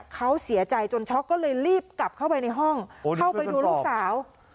เขาเสียใจจนช็อกก็เลยรีบกลับเข้าไปในห้องเข้าไปดูลูกสาว